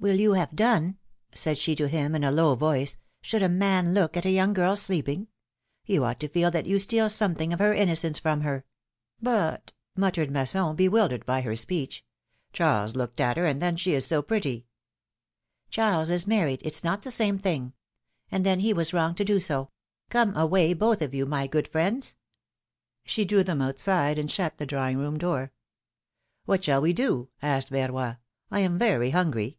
'^Will you have done?^^ said she to him, in a low voice ; should a man look at a young girl sleeping ? You ought to feel that you steal something of her innocence from her.^' But," muttered Masson, bewildered by her speech, Charles looked at her ; and then she is so pretty." Charles is married ! It is not the same thing. And then he was wrong to do so. Come away, both of you, my good friends." She drew them outside, and shut the drawdng room door." '^What shall we do?" asked Verroy; I am very hungry."